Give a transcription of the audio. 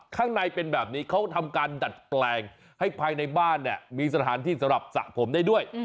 ข้างในเป็นแบบนี้เขาทำการดัดแปลงให้ภายในบ้านเนี่ยมีสถานที่สำหรับสระผมได้ด้วย